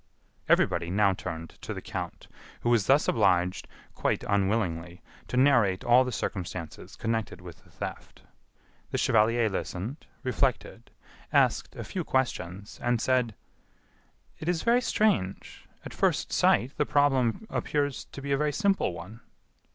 Everybody now turned to the count, who was thus obliged, quite unwillingly, to narrate all the circumstances connected with the theft. The chevalier listened, reflected, asked a few questions, and said: "It is very strange.... at first sight, the problem appears to be a very simple one."